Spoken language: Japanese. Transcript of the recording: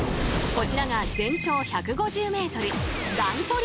こちらが全長１５０ｍ！